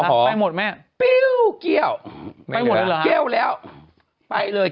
ไปหมดแม่ปิ้วเกี้ยวไปหมดแล้วเหรอเกี้ยวแล้วไปเลย